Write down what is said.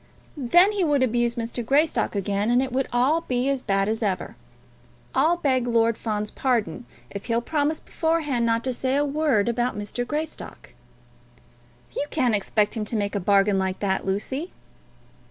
"Then he would abuse Mr. Greystock again, and it would all be as bad as ever. I'll beg Lord Fawn's pardon if he'll promise beforehand not to say a word about Mr. Greystock." "You can't expect him to make a bargain like that, Lucy."